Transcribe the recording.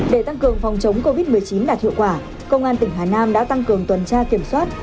để tăng cường phòng chống covid một mươi chín đạt hiệu quả công an tỉnh hà nam đã tăng cường tuần tra kiểm soát